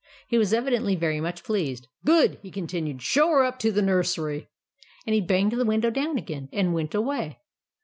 He was evidently very much pleased. "GOOD!" he continued. "SHOW HER UP TO THE NURSERY." And he banged the window down again and went away.